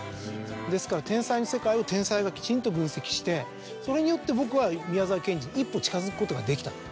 ですから天才の世界を天才がきちんと分析してそれによって僕は宮沢賢治に一歩近づくことができた。